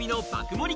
盛り